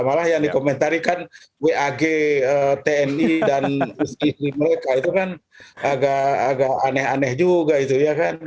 malah yang dikomentari kan wag tni dan istri mereka itu kan agak aneh aneh juga itu ya kan